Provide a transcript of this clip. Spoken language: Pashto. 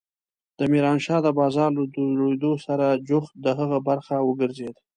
د ميرانشاه د بازار له جوړېدو سره جوخت د هغه برخه وګرځېد.